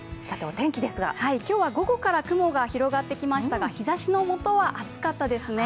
今日は午後から雲が広がってきましたが日ざしの下は暑かったですね。